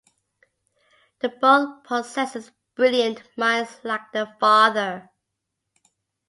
They both possess brilliant minds like their father.